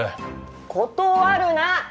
断るな！